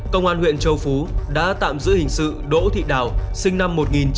công an huyện châu phú đã tạm giữ hình sự đỗ thị đào sinh năm một nghìn chín trăm tám mươi